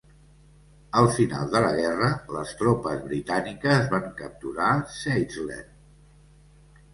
Al final de la guerra, les tropes britàniques van capturar Zeitzler.